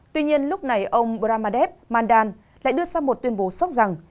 tuy nhiên lúc này ông bramade mandan lại đưa ra một tuyên bố sốc rằng